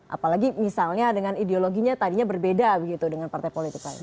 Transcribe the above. apalagi misalnya dengan ideologinya tadinya berbeda begitu dengan partai politik lain